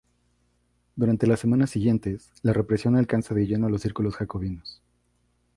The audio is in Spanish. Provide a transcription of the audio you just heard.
Durante las semanas siguientes, la represión alcanza de lleno a los círculos jacobinos.